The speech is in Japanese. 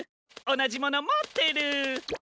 おなじものもってる！